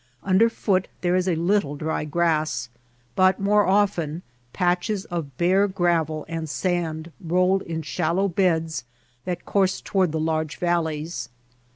Under foot there is a little dry grass, but more often patches of bare gravel and sand rolled in shal low beds that course toward the large valleys.